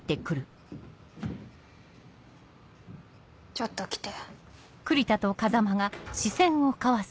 ちょっと来て。